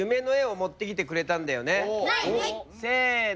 せの。